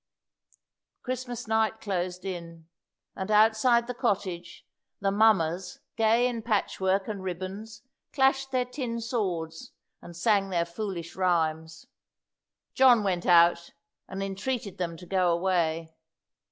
Christmas night closed in; and outside the cottage, the mummers, gay in patchwork and ribbons, clashed their tin swords, and sang their foolish rhymes. John went out and entreated them to go away.